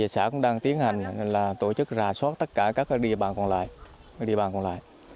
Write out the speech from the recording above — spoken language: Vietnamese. xã cũng đang tiến hành tổ chức rà soát tất cả các địa bàn còn lại